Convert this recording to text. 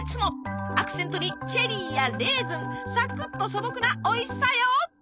アクセントにチェリーやレーズンサクッと素朴なおいしさよ。